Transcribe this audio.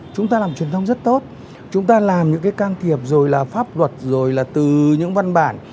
chúng ta làm truyền thông rất tốt chúng ta làm những cái can thiệp rồi là pháp luật rồi là từ những văn bản